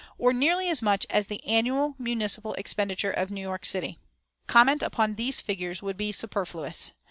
or nearly as much as the annual municipal expenditure of New York City. Comment upon these figures would be superfluous.